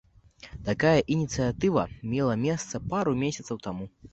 Такая ініцыятыва мела месца пару месяцаў таму.